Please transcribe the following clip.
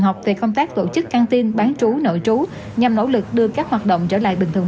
học về công tác tổ chức căng tin bán trú nội trú nhằm nỗ lực đưa các hoạt động trở lại bình thường